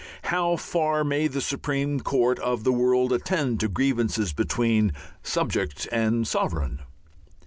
How far may the supreme court of the world attend to grievances between subject and sovereign?